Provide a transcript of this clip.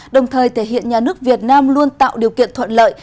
đồng thời thể hiện nhà nước việt nam luôn tạo điều kiện thuận lợi